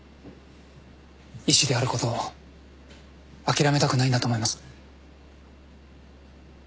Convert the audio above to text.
医師であることを諦めたくないんだと思います。